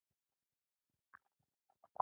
بوتل له چاپ سره ښکلي کېږي.